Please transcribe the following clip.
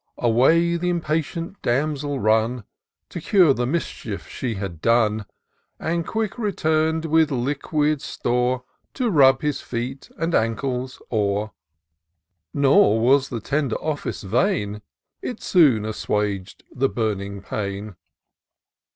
Away th' impatient damsel run. To cure the mischief she had done ; And quick retum'd with liquid store. To rub his feet and ankles o'er ; Nor was the tender office vain ; It soon assuag'd the burning pain.